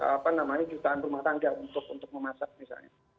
apa namanya jutaan rumah tangga untuk memasak misalnya